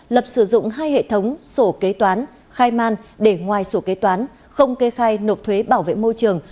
lập sử dụng hai hệ thống sổ kế toán khai man để ngoài sổ kế toán không kê khai nộp thuế bảo vệ môi trường